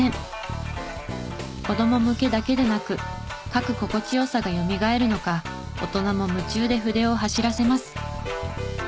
子供向けだけでなく書く心地良さがよみがえるのか大人も夢中で筆を走らせます。